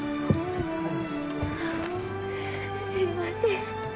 すいません。